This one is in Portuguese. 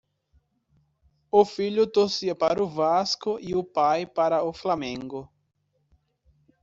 O filho torcia para o Vasco e o pai para o Flamengo